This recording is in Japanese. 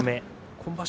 今場所